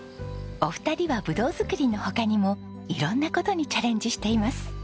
お二人はぶどう作りの他にも色んな事にチャレンジしています。